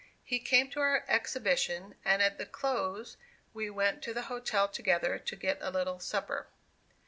He came to our exhibition, and at the close we went to the hotel together to get a little supper.